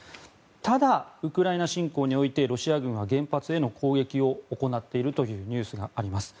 ただ、ウクライナ侵攻においてロシア軍は原発への攻撃を行っているというニュースがあります。